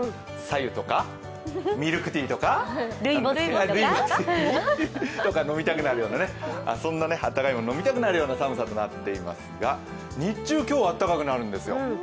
さ湯とか、ミルクティーとかルイボスティーとか飲みたくなるようなね、そんな温かいものを飲みたくなるような寒さとなっていますが日中、今日はあったかくなるんですよ。